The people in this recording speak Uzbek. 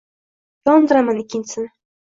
Yondiraman ikkinchisini